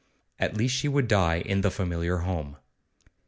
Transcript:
At least she would die in the familiar home.